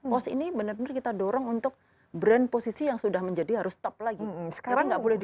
brand pos ini benar benar kita dorong untuk brand posisi yang sudah menjadi harus top lagi